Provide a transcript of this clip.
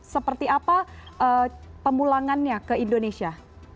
seperti apa pemulangannya ke indonesia